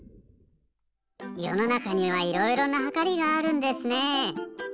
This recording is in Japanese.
よのなかにはいろいろなはかりがあるんですね。